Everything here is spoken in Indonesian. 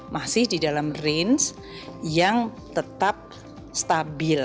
masih di dalam range yang tetap stabil